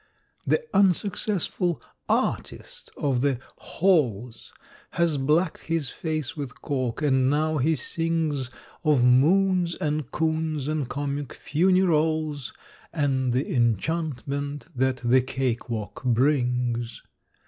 = The unsuccessful "Artist" of the "Halls" `Has blacked his face with cork, and now he sings Of moons and coons and comic funerals [Illustration: 052] `And the enchantment that the cake walk brings.